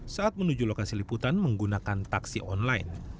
saat menuju lokasi liputan menggunakan taksi online